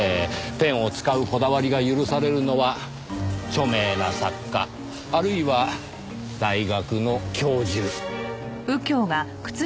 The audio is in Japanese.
ペンを使うこだわりが許されるのは著名な作家あるいは大学の教授。